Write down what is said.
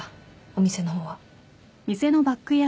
お店の方は。